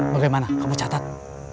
bagaimana kamu catat